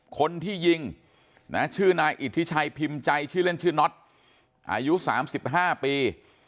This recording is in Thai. คนที่ยิงชื่อนายอิทธิชัยพิมพ์ใจชื่อเล่นชื่อน็อตอายุ๓๕ปี